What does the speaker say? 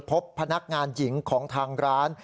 พบพนักงานหญิงของทางร้าน